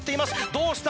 どうした？